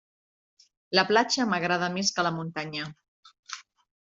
La platja m'agrada més que la muntanya.